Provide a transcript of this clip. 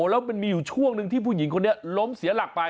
แล้วมันมีอยู่ช่วงหนึ่งที่ผู้หญิงคนนี้ล้มเสียหลักไป